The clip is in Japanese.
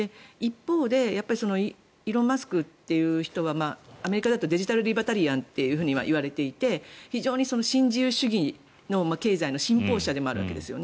一方でイーロン・マスク氏という人はアメリカではデジタルリバタリアンと言われていて非常に新自由主義の経済の信奉者でもあるわけです。